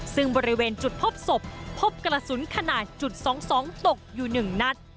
ซึ่งบริเวณจุดพบศพพบกระสุนขนาดจุด๒๒ตกอยู่๑นัด